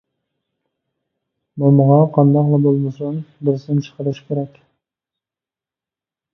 مومىغا قانداقلا بولمىسۇن بىرسىنى چىقىرىش كېرەك!